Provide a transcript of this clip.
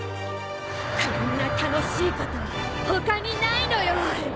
こんな楽しいこと他にないのよ。